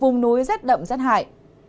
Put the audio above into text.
vùng núi rất đậm rất hại